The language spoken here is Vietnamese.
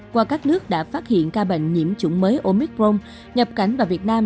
qua các nước đã phát hiện ca bệnh nhiễm chủng mới omicron nhập cảnh vào việt nam